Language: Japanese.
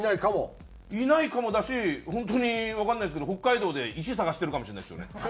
いないかもだし本当にわかんないですけど北海道で石探してるかもしれないですよね。